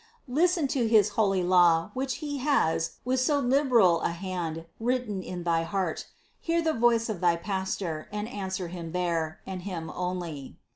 Listen to his holy law, which He has, with so liberal a hand, written in thy heart ; hear the voice of thy Pastor, and answer Him there, and Him only.